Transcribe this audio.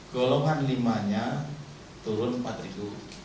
golongan lima nya turun rp empat